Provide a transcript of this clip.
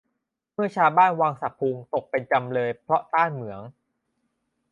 เมื่อชาวบ้านวังสะพุงตกเป็นจำเลยเพราะต้านเหมือง